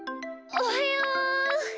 おはよう。